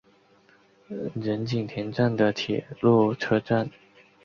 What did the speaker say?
仁井田站的铁路车站。